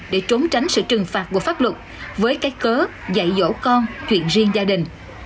để trốn tránh sự trừng phạt của pháp luật với các cớ dạy dỗ con chuyện riêng gia đình